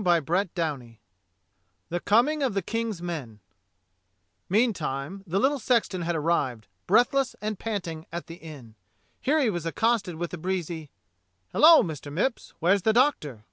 CHAPTER III THE COMING OF THE KING's MEN MEANTIME the little sexton had arrived, breathless and panting, at the inn. Here he was accosted with a breezy, "Hello, Mr. Mipps, where's the Doctor?"